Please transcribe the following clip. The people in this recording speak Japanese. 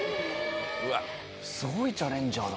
すごいチャレンジャーだな。